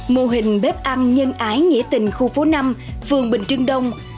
mô hình bếp ăn nhân ái nghĩa tình khu phố năm phường bình trưng đông